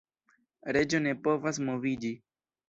Reĝo ne povas moviĝi.